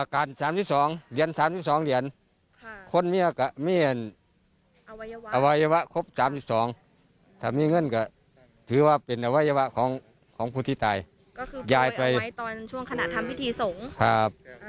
ตอนช่วงขณะทำพิธีสงค์พอทำพิธีเสร็จก็ต้องเก็บเรนนั้นเอาไปทำยังไงต่อนะคะ